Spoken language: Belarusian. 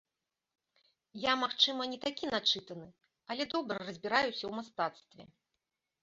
Я магчыма, не такі начытаны, але добра разбіраюся ў мастацтве.